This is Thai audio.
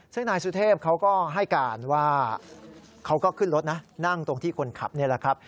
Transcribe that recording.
ซึ่งนายสุเทพเขาก็ให้การว่าเขาก็ขึ้นรถนะนั่งตรงที่คนขับนี่แหละครับ